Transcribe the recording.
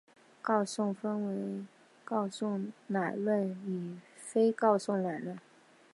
告诉分为告诉乃论与非告诉乃论。